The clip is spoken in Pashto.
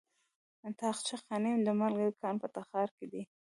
د طاقچه خانې د مالګې کان په تخار کې دی.